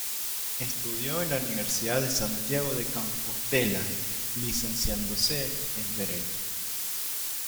Estudió en la Universidad de Santiago de Compostela, licenciándose en Derecho.